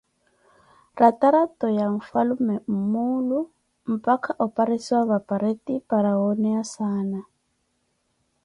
ratarato ya mfwalume mwulo mpakha opharisiwa va pareti para wooneye saana.